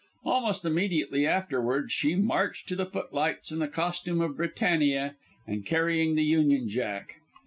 Almost immediately afterwards she marched to the footlights in the costume of Britannia, and carrying the Union Jack.